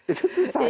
itu susah kan